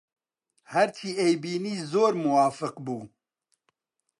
هەرچی ئەیبینی زۆر موافق بوو